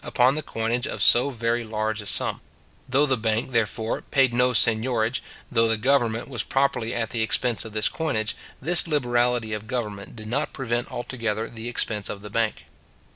upon the coinage of so very large a sum. Though the bank, therefore, paid no seignorage, though the government was properly at the expense of this coinage, this liberality of government did not prevent altogether the expense of the bank.